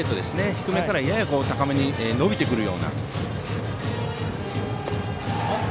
低めからやや高めに伸びてくるような。